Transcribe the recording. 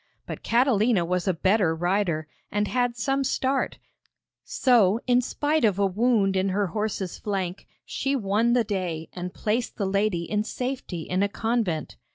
But Catalina was a better rider, and had some start, so, in spite of a wound in her horse's flank, she won the day and placed the lady in safety in a convent.